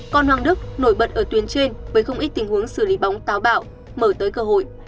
còn hoàng đức nổi bật ở tuyến trên với không ít tình huống xử lý bóng táo bạo mở tới cơ hội